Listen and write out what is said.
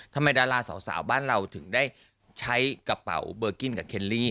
ดาราสาวบ้านเราถึงได้ใช้กระเป๋าเบอร์กิ้นกับเคลลี่